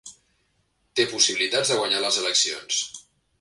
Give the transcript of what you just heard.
Té possibilitats de guanyar les eleccions.